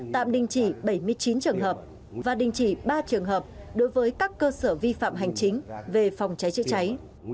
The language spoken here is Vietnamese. tạm đình chỉ bảy mươi chín trường hợp và đình chỉ ba trường hợp đối với các cơ sở vi phạm hành chính về phòng cháy chữa cháy